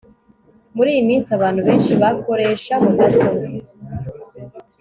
muri iyi minsi abantu benshi bakoresha mudasobwa